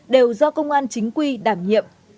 đều do công an chính quy đảm nhiệm